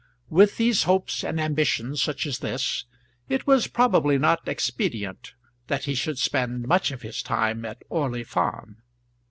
With these hopes, and ambition such as this, it was probably not expedient that he should spend much of his time at Orley Farm.